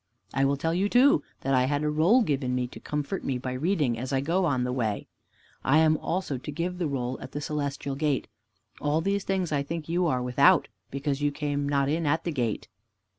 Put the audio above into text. I will tell you too, that I had a roll given me, to comfort me by reading, as I go on the way. I am also to give in the roll at the Celestial Gate. All these things I think you are without, because you came not in at the gate."